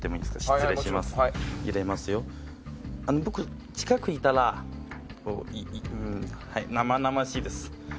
僕近くいたら生々しいです。